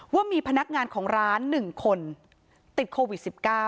ว่ามีพนักงานของร้าน๑คนติดโควิด๑๙